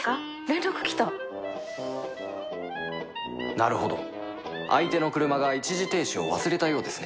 なるほど相手の車が一時停止を忘れたようですね